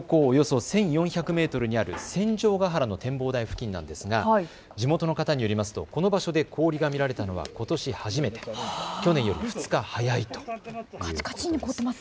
標高およそ１４００メートルにある戦場ヶ原の展望台付近ですが地元の方によるとこの場所で氷が見られたのはことし初めて、去年より２日早いということです。